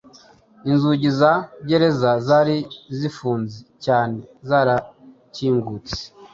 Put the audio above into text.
Inzugi za gereza zari zifunze cyane zarakingutse;